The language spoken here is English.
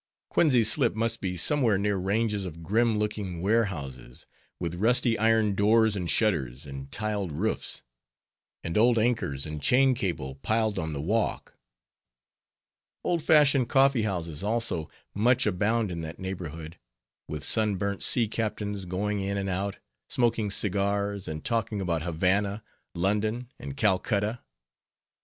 Coenties Slip must be somewhere near ranges of grim looking warehouses, with rusty iron doors and shutters, and tiled roofs; and old anchors and chain cable piled on the walk. Old fashioned coffeehouses, also, much abound in that neighborhood, with sunburnt sea captains going in and out, smoking cigars, and talking about Havanna, London, and Calcutta.